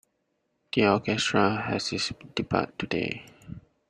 The orchestra has its debut today.